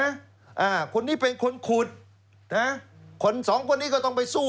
อ่าคนนี้เป็นคนขุดนะคนสองคนนี้ก็ต้องไปสู้